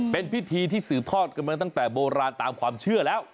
เป็นพิธีที่สืบทอดกันมาตั้งแต่โบราณตามความเชื่อแล้ว